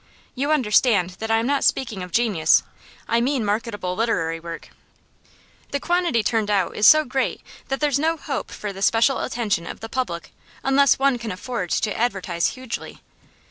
You understand that I am not speaking of genius; I mean marketable literary work. The quantity turned out is so great that there's no hope for the special attention of the public unless one can afford to advertise hugely.